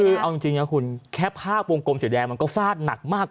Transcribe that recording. คือเอาจริงนะคุณแค่ภาพวงกลมสีแดงมันก็ฟาดหนักมาก